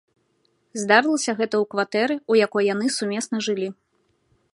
Здарылася гэта ў кватэры, у якой яны сумесна жылі.